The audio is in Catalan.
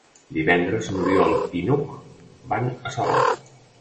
Divendres n'Oriol i n'Hug van a Salou.